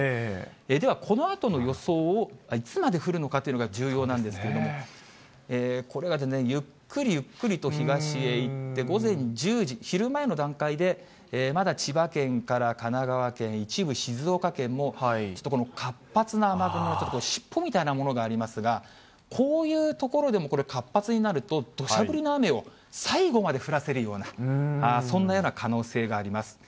では、このあとの予想をいつまで降るのかというのが重要なんですけども、これがゆっくりゆっくり東へ行って、午前１０時、昼前の段階で、まだ千葉県から神奈川県、一部静岡県も、ちょっとこの活発な雨雲、ちょっと尻尾みたいなものがありますが、こういう所でも活発になると、どしゃ降りの雨を最後まで降らせるような、そんなような可能性があります。